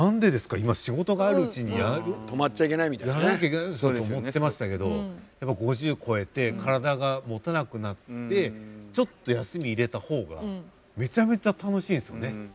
今仕事があるうちにやらなきゃいけないそういうふうに思ってましたけどやっぱ５０超えて体がもたなくなってちょっと休み入れた方がめちゃめちゃ楽しいですよね。